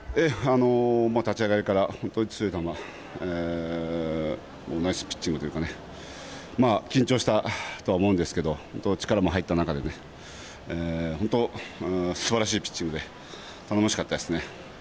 立ち上がりからナイスピッチングというか緊張したとは思うんですけど力も入った中で本当にすばらしいピッチングで頼もしかったですね。